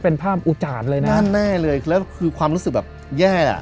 เป็นภาพอุจาดเลยนะแน่นแน่เลยแล้วคือความรู้สึกแบบแย่อ่ะ